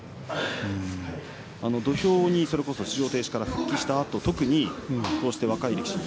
土俵にそれこそ出場停止から復帰したあと特に若い力士に。